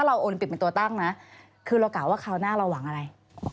โอลิมปิกเป็นตัวตั้งนะคือเรากล่าวว่าคราวหน้าเราหวังอะไร